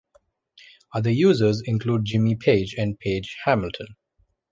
Other users include Jimmy Page and Page Hamilton.